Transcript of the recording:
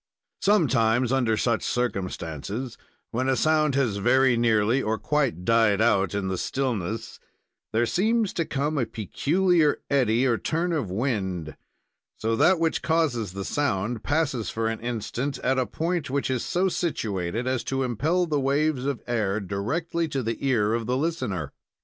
Sometimes, under such circumstances, when a sound has very nearly or quite died out In the stillness, there seems to come a peculiar eddy or turn of wind, or that which causes the sound, passes for an instant at a point which is so situated as to impel the waves of air directly to the ear of the listener.